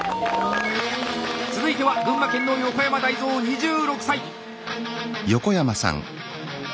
続いては群馬県の横山大蔵２６歳。